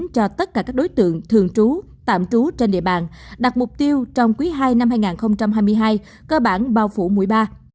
cho tất cả các đối tượng thường trú tạm trú trên địa bàn đặt mục tiêu trong quý ii năm hai nghìn hai mươi hai cơ bản bao phủ mũi ba